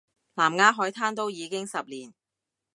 南丫海難都已經十年